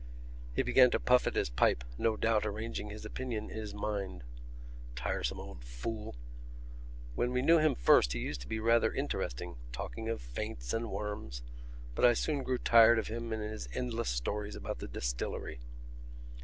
He began to puff at his pipe, no doubt arranging his opinion in his mind. Tiresome old fool! When we knew him first he used to be rather interesting, talking of faints and worms; but I soon grew tired of him and his endless stories about the distillery.